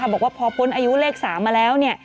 บอกว่าพอพ้นอายุเลข๓มาแล้ว